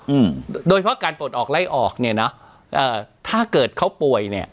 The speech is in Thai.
อืมโดยเฉพาะการปลดออกไล่ออกเนี้ยเนอะเอ่อถ้าเกิดเขาป่วยเนี้ย